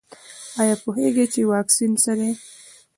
ایا پوهیږئ چې واکسین څه دی؟